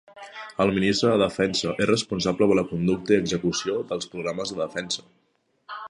El Ministre de Defensa és responsable de la conducta i execució dels programes de defensa.